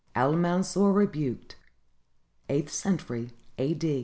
AL MANSUR REBUKED [Eighth century a.